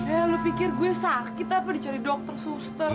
eh lu pikir gue sakit apa dicari dokter suster